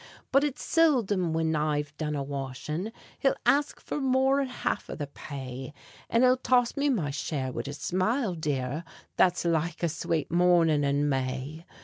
But it's sildom when I've done a washin', He'll ask for more'n half of the pay; An' he'll toss me my share, wid a smile, dear, That's like a swate mornin' in May!